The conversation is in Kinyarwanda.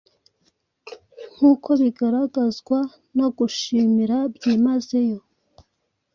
nkuko bigaragazwa no gushimira byimazeyo